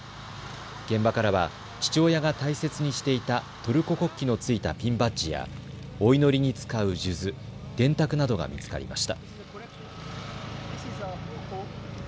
現場からは父親が大切にしていたトルコ国旗のついたピンバッジやお祈りに使う数珠、電卓などが見つかりました。